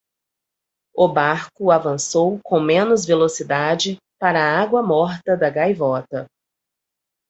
O barco avançou com menos velocidade para a água morta da gaivota.